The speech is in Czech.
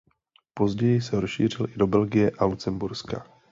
Později se rozšířil i do Belgie a Lucemburska.